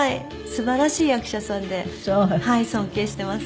すばらしい役者さんで尊敬しています。